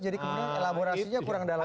jadi kemudian elaborasinya kurang dalam